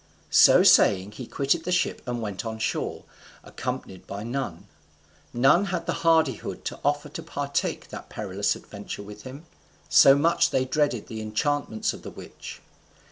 So saying, he quitted the ship and went on shore, accompanied by none; none had the hardihood to offer to partake that perilous adventure with him, so much they dreaded the enchantments of the witch.